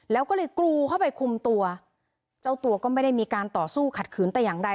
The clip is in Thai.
แล้วก็เลยกรูเข้าไปคุมตัวเจ้าตัวก็ไม่ได้มีการต่อสู้ขัดขืนแต่อย่างใด